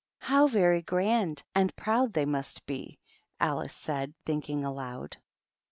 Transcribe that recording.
" How very grand and proud they must be !" Alice said, thinking aloud.